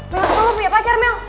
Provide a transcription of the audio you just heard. kenapa lo punya pacar mel